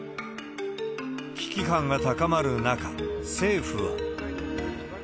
危機感が高まる中、政府は。